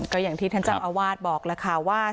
ก็อย่างที่ท่านเจ้าอาวาสบอกแล้วค่ะว่า